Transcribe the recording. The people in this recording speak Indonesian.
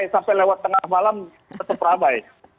sampai lewat tengah malam tetap ramai